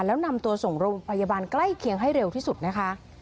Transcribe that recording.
แล้วนำตัวส่งโรงพยาบาลใกล้เคียงให้เร็วที่สุดนะคะ